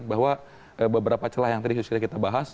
bahwa beberapa celah yang tadi sudah kita bahas